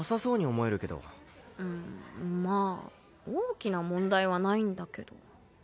うんまあ大きな問題はないんだけど。